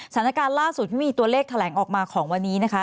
สถานการณ์ล่าสุดที่มีตัวเลขแถลงออกมาของวันนี้นะคะ